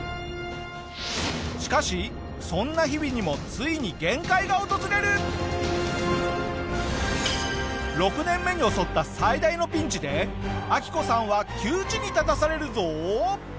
しかしそんな日々にも６年目に襲った最大のピンチでアキコさんは窮地に立たされるぞ！